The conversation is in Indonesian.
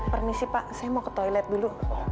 pernisi pak saya mau ke toilet dulu